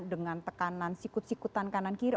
dengan tekanan sikut sikutan kanan kiri